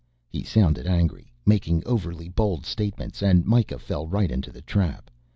He sounded angry, making overly bold statements and Mikah fell right into the trap.